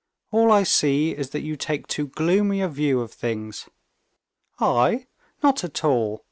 "All I see is that you take too gloomy a view of things." "I? Not at all!